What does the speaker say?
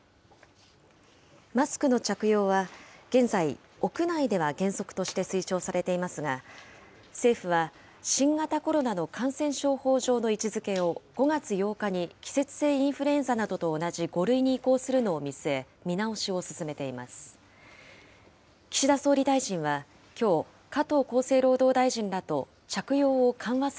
マスクの着用は現在、屋内では原則として推奨されていますが、政府は、新型コロナの感染症法上の位置づけを５月８日に季節性インフルエンザなどと同じ５類に移行するのを見据え、見直しを進めています。